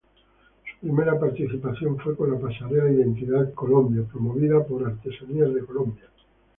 Su primera participación fue con la pasarela Identidad Colombia, promovida por Artesanías de Colombia.